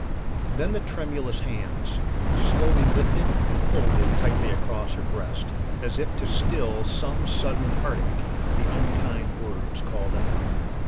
Then the tremulous hands slowly lifted and folded tightly across her breast, as if to still some sudden heartache the unkind words called up.